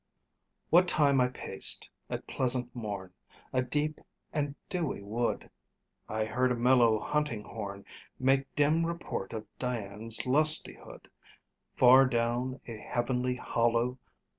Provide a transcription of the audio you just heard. What time I paced, at pleasant morn, A deep and dewy wood, I heard a mellow hunting horn Make dim report of Dian's lustihood Far down a heavenly hollow.